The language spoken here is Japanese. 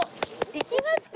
行きますか！